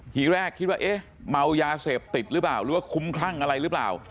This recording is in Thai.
ทีแรกคิดว่าเอ๊ะเมายาเสพติดหรือเปล่าหรือว่าคุ้มคลั่งอะไรหรือเปล่า